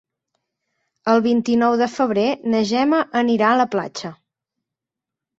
El vint-i-nou de febrer na Gemma anirà a la platja.